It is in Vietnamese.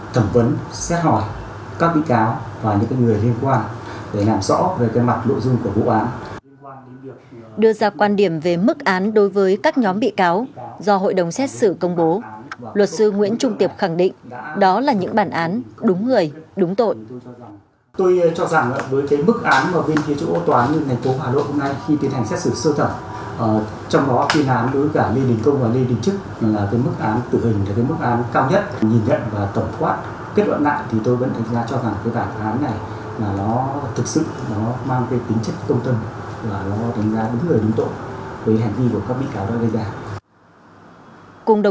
theo dõi phiên tòa dư luận nhân dân đồng tình với mức án của hội đồng xét xử luật sư nguyễn trung tiệp đoàn luật sư hà nội cho rằng về quá trình tố tụng các cơ quan chức năng đã thực hiện đúng thẩm quyền quy định của pháp luật